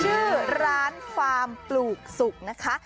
ชื่อร้านฟาร์มปลูกสุกนะคะ